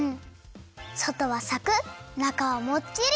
そとはサクッなかはもっちり！